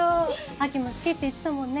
亜季も好きって言ってたもんね